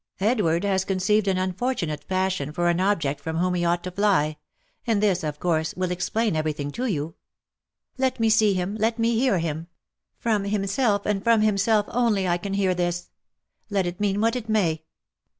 — Edward has conceived an unfortunate passion for an object from whom he ought to fly — and this, of course, will explain every thing to you." " Let me see him ! Let me hear him ! From himself, and from himself only I can hear this. Let it mean what it may."